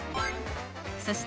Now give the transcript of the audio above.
［そして］